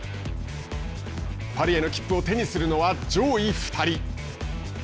パリへの切符を手にするのは上位２人。